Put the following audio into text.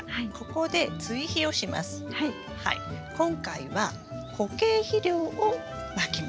今回は固形肥料をまきます。